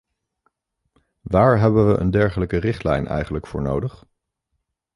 Waar hebben we een dergelijke richtlijn eigenlijk voor nodig?